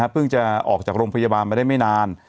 จะออกจากโรงพยาบาลมาได้ไม่นาน